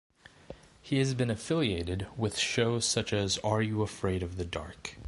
He has been affiliated with shows such as Are You Afraid of the Dark?